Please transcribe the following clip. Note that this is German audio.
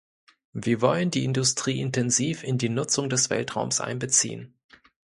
Wir wollen die Industrie intensiv in die Nutzung des Weltraums einbeziehen.